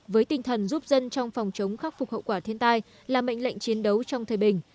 với tinh thần giúp dân trong phòng chống khắc phục hậu quả thiên tai là mệnh lệnh chiến đấu trong thời bình